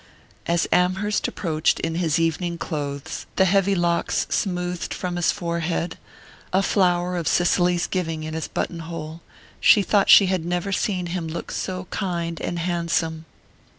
As Amherst approached, in his evening clothes, the heavy locks smoothed from his forehead, a flower of Cicely's giving in his button hole, she thought she had never seen him look so kind and handsome.